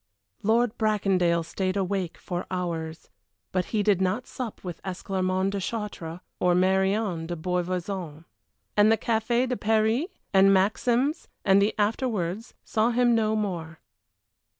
Lord Bracondale stayed awake for hours, but he did not sup with Esclarmonde de Chartres or Marion de Beauvoison. And the Café de Paris and Maxims and the afterwards saw him no more.